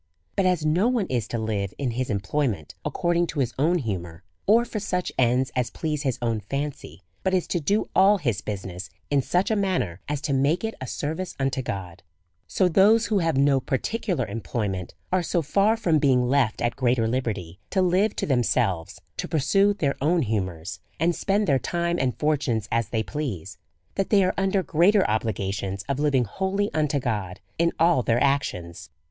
But as no one is to live in his employment accord ing to his own humour, or for such ends as please his own ikncy, but is to do all his business in such a man ner as to make it a service unto God ; so those who have no particular employment are so far from being left at greater liberty to live to themselves, to pursue their own humours, and spend their time and fortunes as they please, that they are under greater obligations of living wholly unto God in all their actions.